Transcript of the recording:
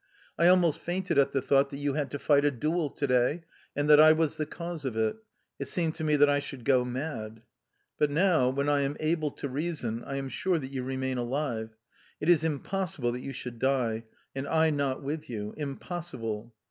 I almost fainted at the thought that you had to fight a duel to day, and that I was the cause of it; it seemed to me that I should go mad... But now, when I am able to reason, I am sure that you remain alive: it is impossible that you should die, and I not with you impossible!